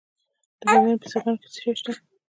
د بامیان په سیغان کې څه شی شته؟